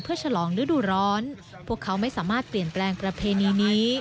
ฉลองฤดูร้อนพวกเขาไม่สามารถเปลี่ยนแปลงประเพณีนี้